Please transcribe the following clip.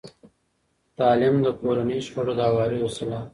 تعلیم د کورني شخړو د هواري وسیله ده.